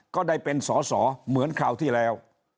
ก็ได้เป็นสอสอเหมือนคราวที่แล้ว